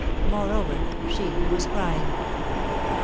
Moreover, she was crying.